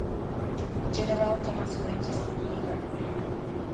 General Thomas Francis Meagher.